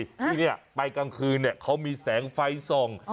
ที่นี่ไปกลางคืนเนี่ยเขามีแสงไฟส่อง